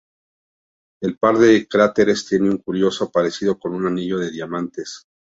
El par de cráteres tiene un curioso parecido con un anillo de diamantes.